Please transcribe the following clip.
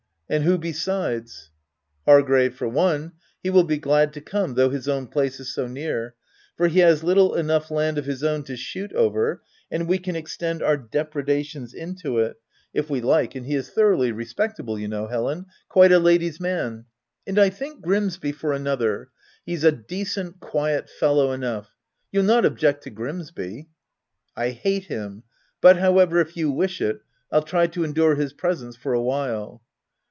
— And who besides ?"" Hargrave for one — he will be glad to come, though his own place is so near, for he has little enough land of his own to shoot over, and we can extend our depredations into it, if we VOL. II. G 122 THE TENANT like ;— and he is thoroughly respectable, you know, Helen, quite a lady's man :— and I think, Grimsby for another : he's a decent, quiet fellow enough — you'll not object to Grimsby ?" "I hate him; but however, if you wish it, I'll try to endure his presence for a while."